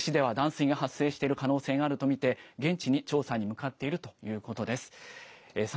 市では、断水が発生している可能性があると見て、現地に調査に向かっているということです。